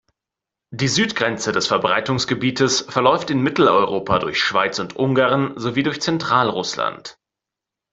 Die Südgrenze des Verbreitungsgebietes verläuft in Mitteleuropa durch Schweiz und Ungarn sowie durch Zentralrussland.